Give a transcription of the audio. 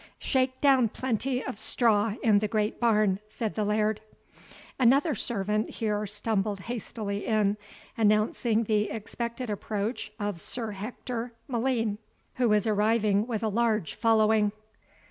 "Shake down plenty of straw in the great barn," said the Laird. Another servant here stumbled hastily in, announcing the expected approach of Sir Hector M'Lean, "who is arriving with a large following."